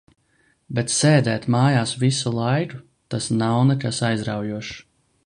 Bet sēdēt mājās visu laiku, tas nav nekas aizraujošs.